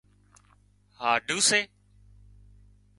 هاڍُو سي